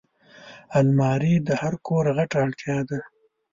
الماري د هر کور غټه اړتیا ده